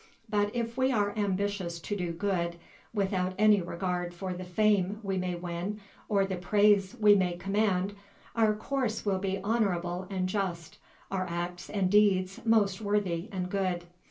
But if we are ambitious to do good, without any regard for the fame we may win or the praise we may command, our course will be honorable and just, our acts and deeds most worthy and good.